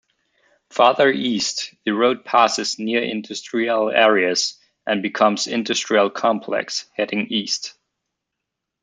Farther east, the route passes near industrial areas and becomes Industrial Complex, heading east.